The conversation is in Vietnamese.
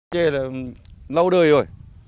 chè là lâu đời rồi